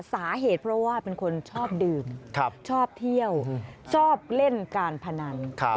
สาเหตุเพราะว่าเป็นคนชอบดื่มชอบเที่ยวชอบเล่นการพนัน